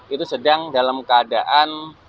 itu sedang dalam keadaan